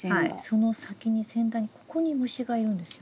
その先に先端にここに虫がいるんですよ。